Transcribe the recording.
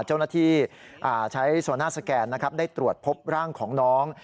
เจ้าหน้าที่ใช้ส่วนภาพสเก็ตได้ตรวจพบร่างของน้อง